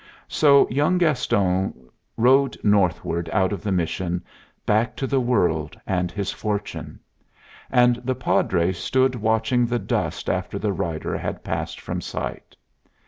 So young Gaston rode northward out of the mission, back to the world and his fortune; and the Padre stood watching the dust after the rider had passed from sight.